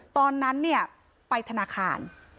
ตอนนั้นเนี่ยไปธนาคาร